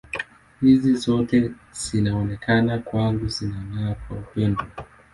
Hizo zote zinaonekana kwangu zinang’aa kwa upendo.